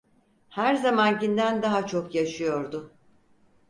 Her zamankinden daha çok yaşıyordu.